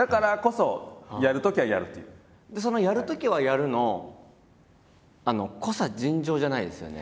その「やるときはやる」の濃さ尋常じゃないですよね。